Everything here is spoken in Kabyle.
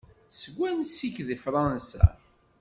Seg wansi-k deg Fransa?